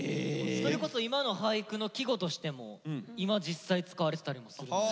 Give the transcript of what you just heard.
それこそ今の俳句の季語としても今実際使われてたりもするんで。